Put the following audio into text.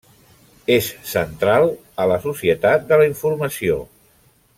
És central a la Societat de la Informació.